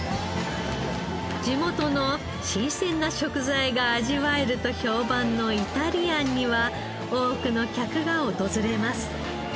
地元の新鮮な食材が味わえると評判のイタリアンには多くの客が訪れます。